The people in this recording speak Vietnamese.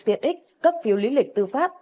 tiện ích cấp phiếu lý lịch tư pháp